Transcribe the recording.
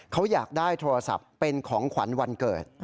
เขาอยากได้โทรศัพท์เป็นของขวัญวันเกิด